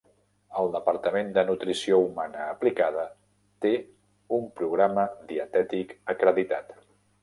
El Departament de Nutrició Humana Aplicada té un programa dietètic acreditat.